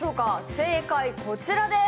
正解、こちらです。